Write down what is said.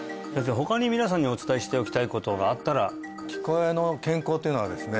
他に皆さんにお伝えしておきたいことがあったら聞こえの健康というのはですね